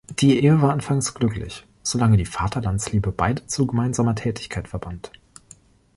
Die Ehe war anfangs glücklich, solange die Vaterlandsliebe beide zu gemeinsamer Tätigkeit verband.